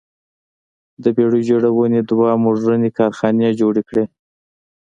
د بېړۍ جوړونې دوه موډرنې کارخانې جوړې کړې.